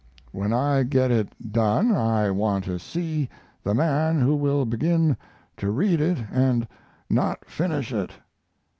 When I get it done I want to see the man who will begin to read it and not finish it.